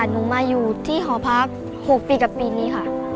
หนูมาอยู่ที่หอพัก๖ปีกับปีนี้ค่ะ